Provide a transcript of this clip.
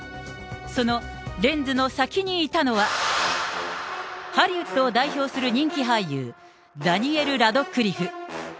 そのレンズの先にいたのは、ハリウッドを代表する人気俳優、ダニエル・ラドクリフ。